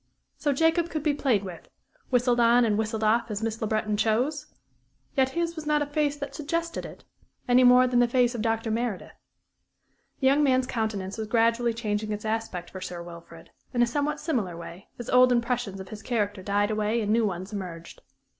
So Jacob could be played with whistled on and whistled off as Miss Le Breton chose? Yet his was not a face that suggested it, any more than the face of Dr. Meredith. The young man's countenance was gradually changing its aspect for Sir Wilfrid, in a somewhat singular way, as old impressions of his character died away and new ones emerged.